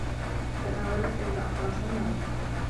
تناولت ليلى أقراص النّوم.